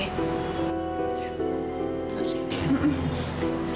ya terima kasih